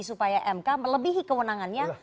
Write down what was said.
supaya mk melebihi kewenangannya